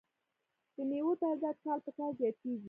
د میوو تولیدات کال په کال زیاتیږي.